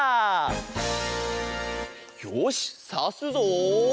よしさすぞ。